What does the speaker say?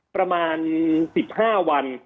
ประมาณ๑๕วัน